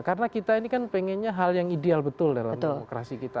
karena kita ini kan pengennya hal yang ideal betul dalam demokrasi kita